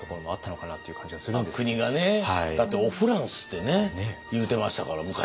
だって「おフランス」ってね言うてましたから昔。